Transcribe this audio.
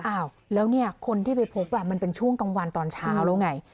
อ้าวแล้วเนี่ยคนที่ไปพบมันเป็นช่วงกลางวันตอนเช้าแล้วไง